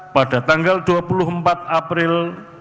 pada tanggal dua puluh empat april dua ribu dua puluh